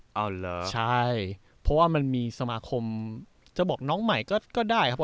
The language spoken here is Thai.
เพราะว่ามันมีสมาคมจะบอกน้องใหม่ก็ได้ครับ